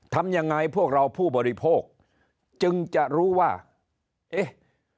ทำยังไงพวกเราผู้บริโภคจึงจะรู้ว่าเอ๊ะ